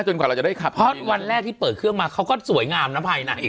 กว่าเราจะได้ขับเพราะวันแรกที่เปิดเครื่องมาเขาก็สวยงามนะภัยหนักอีก